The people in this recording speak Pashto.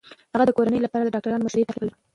هغه د کورنۍ لپاره د ډاکټرانو مشورې تعقیبوي.